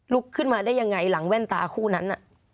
ขึ้นมาได้ยังไงหลังแว่นตาคู่นั้น